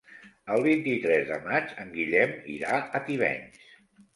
El vint-i-tres de maig en Guillem irà a Tivenys.